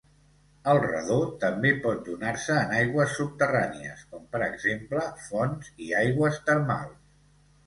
El radó també pot donar-se en aigües subterrànies, com per exemple fonts i aigües termals.